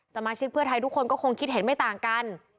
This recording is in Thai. สมาชิกเพื่อไทยทุกคนก็คงคิดเห็นไม่ต่างกัน